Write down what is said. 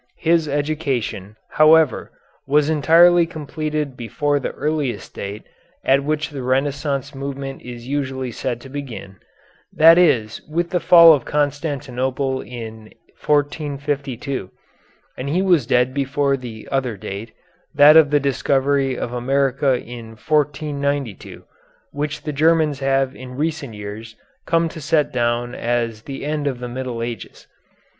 His education, however, was entirely completed before the earliest date at which the Renaissance movement is usually said to begin, that is with the fall of Constantinople in 1452, and he was dead before the other date, that of the discovery of America in 1492, which the Germans have in recent years come to set down as the end of the Middle Ages.